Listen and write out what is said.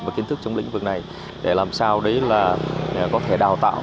và kiến thức trong lĩnh vực này để làm sao đấy là có thể đào tạo